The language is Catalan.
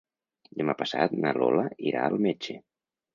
Demà passat na Lola irà al metge.